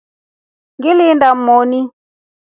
Ngilinda moni.